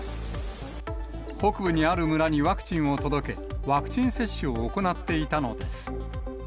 北部にある村にワクチンを届け、ワクチン接種を行っていたのです。